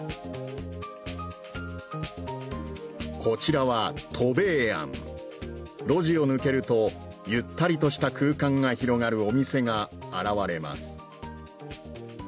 こちらは「斗米庵」路地を抜けるとゆったりとした空間が広がるお店が現れます